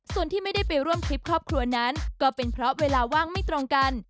ส่วนที่ไม่ได้ไปร่วมทริปครอบครัวนั้นก็เป็นเพราะเวลาว่างไม่ตรงกัน